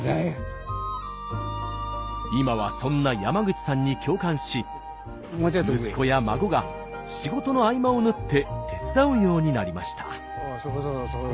今はそんな山口さんに共感し息子や孫が仕事の合間を縫って手伝うようになりました。